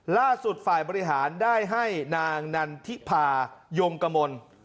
ล่าสุดฝ่ายบริหารได้ให้นางนันทิพายงกมล